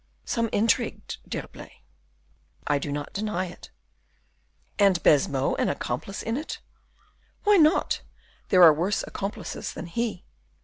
"Some intrigue, D'Herblay?" "I do not deny it." "And Baisemeaux an accomplice in it?" "Why not? there are worse accomplices than he.